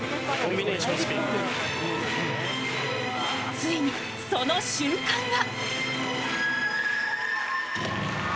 ついにその瞬間が。